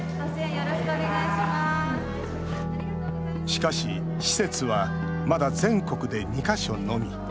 しかし、施設はまだ全国で２か所のみ。